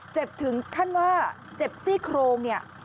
ถึงขั้นว่าเจ็บซี่โครงเนี่ย